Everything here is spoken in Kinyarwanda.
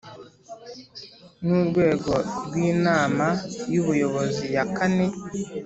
n Urwego rw Inama y Ubuyobozi ya kane